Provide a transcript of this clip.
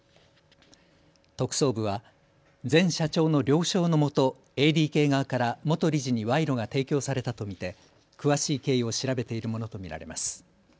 特捜部は前社長の了承のもとＡＤＫ側から元理事に賄賂が提供されたと見て詳しい経緯を調べているものと見られます。